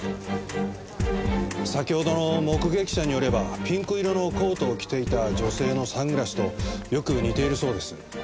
先ほどの目撃者によればピンク色のコートを着ていた女性のサングラスとよく似ているそうです。